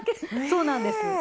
そうなんです。ね